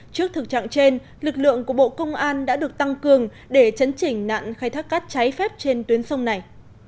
trước thực trạng trên lực lượng của bộ công an đã được tăng cường để chấn chỉnh nạn khai thác cát cháy phép trên tuyến sông này